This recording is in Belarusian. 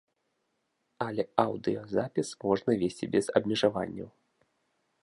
Але аўдыёзапіс можна весці без абмежаванняў.